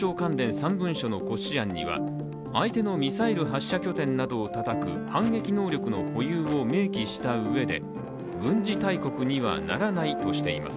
３文書の骨子案には相手のミサイル発射拠点などをたたく反撃能力の保有を明記したうえで、軍事大国にはならないとしています。